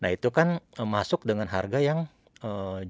nah itu kan datang dengan harga yang memasuki